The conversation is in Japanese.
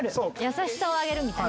優しさをあげるみたいな。